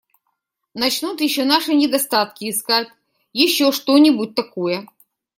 Начнут еще наши недостатки искать, еще что-нибудь такое.